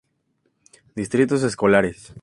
Distritos escolares